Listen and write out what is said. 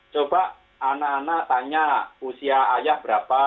coba anak anak tanya usia ayah berapa